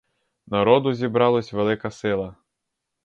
Народу зібралось велика сила!